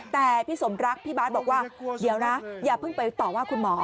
แต่พี่สมรักพี่บาทบอกว่าเดี๋ยวนะอย่าเพิ่งไปต่อว่าคุณหมอ